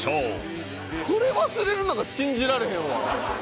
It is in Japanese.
これ忘れるのが信じられへんわ。